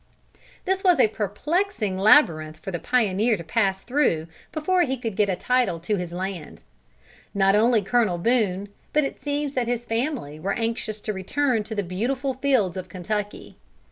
This was a perplexing labyrinth for the pioneer to pass through, before he could get a title to his land. Not only Colonel Boone, but it seems that his family were anxious to return to the beautiful fields of Kentucky.